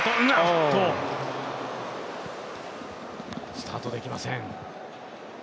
スタートできません。